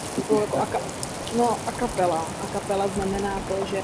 Douglas Hyde byl synem duchovního.